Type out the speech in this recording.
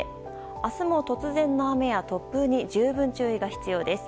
明日も突然の雨や突風に十分注意が必要です。